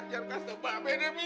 jangan kasih mbak be demi